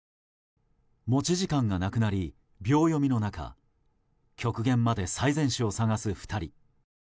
持ち時間がなくなり秒読みの中極限まで最善手を探す２人。